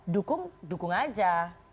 dukung dukung aja